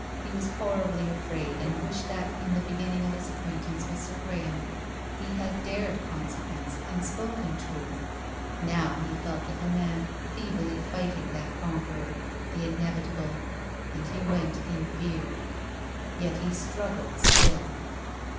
He was horribly afraid and wished that, in the beginning of his acquaintance with Sir Graham, he had dared con sequence and spoken truth. Now he felt like a man feebly fighting that conqueror, the Inevitable, and he went in fear. Yet he struggled still.